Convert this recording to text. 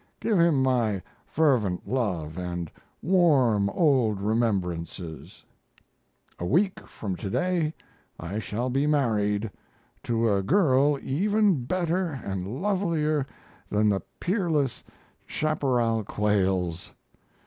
Give him my fervent love and warm old remembrances. A week from to day I shall be married to a girl even better and lovelier than the peerless "Chapparal Quails."